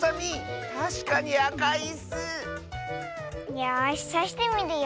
よしさしてみるよ。